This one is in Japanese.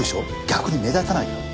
逆に目立たないから。